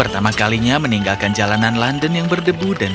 dan rasa petualangan